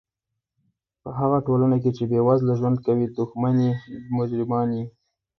په هغه ټولنه کښي، چي بېوزله ژوند کوي، ښتمن ئې مجرمان يي.